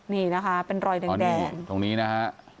นี่นะคะเป็นรอยแดงตรงนี้นะฮะ